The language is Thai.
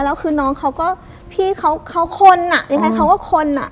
แล้วคือน้องเขาก็พี่เขาคนอ่ะยังไงเขาก็คนอ่ะ